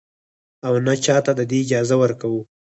او نـه چـاتـه د دې اجـازه ورکـو.